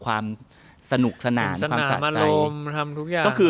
ความสนุกสนานความสะใจ